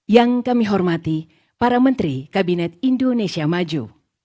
yang kami hormati para menteri kabinet indonesia maju